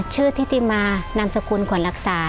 ทิติมานามสกุลขวัญรักษา